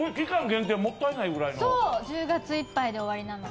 限定もったいないぐらいの。